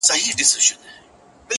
هغه ساعت; هغه غرمه; هغه د سونډو زبېښل;